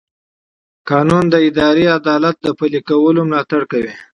قانون د اداري عدالت د پلي کولو ملاتړ کوي.